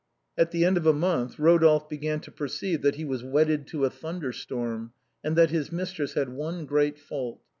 At the end of a month Eodolphe began to perceive that he was wedded to a thunderstorm^ and that his mistress had one great fault.